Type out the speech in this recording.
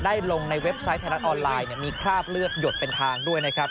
ลงในเว็บไซต์ไทยรัฐออนไลน์มีคราบเลือดหยดเป็นทางด้วยนะครับ